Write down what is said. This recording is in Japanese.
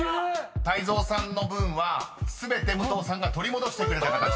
［泰造さんの分全て武藤さんが取り戻してくれた形です］